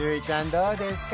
どうですか？